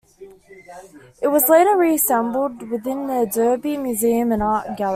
It was later reassembled within the Derby Museum and Art Gallery.